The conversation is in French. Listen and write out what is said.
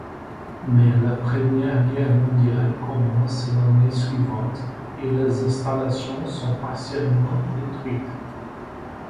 Mais la Première Guerre mondiale commence l'année suivante, et les installations sont partiellement détruites.